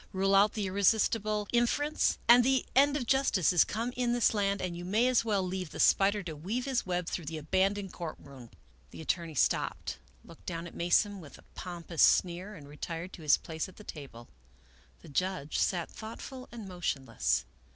Rule out the irresistible inference, and the end of justice is come in this land; and you may as well leave the spider to weave his web through the abandoned court room." The attorney stopped, looked down at Mason with a pom pous sneer, and retired to his place at the table. The judge sat thoughtful and motionless.